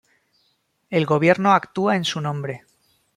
El gobierno actúa en su nombre.